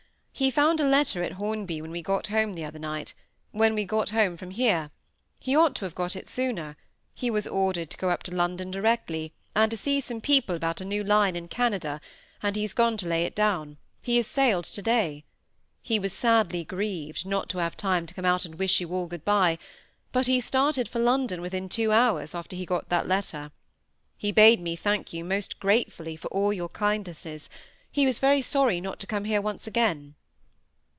"He found a letter at Hornby when we got home the other night—when we got home from here; he ought to have got it sooner; he was ordered to go up to London directly, and to see some people about a new line in Canada, and he's gone to lay it down; he has sailed to day. He was sadly grieved not to have time to come out and wish you all good by; but he started for London within two hours after he got that letter. He bade me thank you most gratefully for all your kindnesses; he was very sorry not to come here once again."